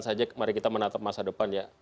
saja mari kita menatap masa depan ya